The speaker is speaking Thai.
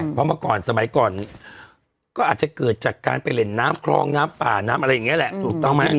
เพราะเมื่อก่อนสมัยก่อนก็อาจจะเกิดจากการไปเล่นน้ำคลองน้ำป่าน้ำอะไรอย่างนี้แหละถูกต้องไหม